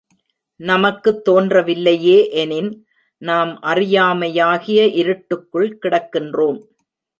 நமக்குத் தோன்றவில்லையே எனின், நாம் அறியாமையாகிய இருட்டுக்குள் கிடக்கின்றோம்.